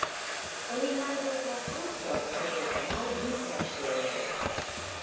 Oni manĝas la frukton kun la maldika ŝelo.